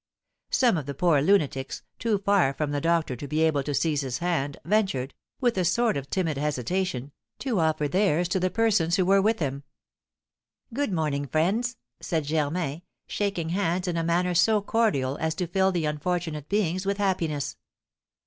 Some of the poor lunatics, too far from the doctor to be able to seize his hand, ventured, with a sort of timid hesitation, to offer theirs to the persons who were with him. "Good morning, friends," said Germain, shaking hands in a manner so cordial as to fill the unfortunate beings with happiness.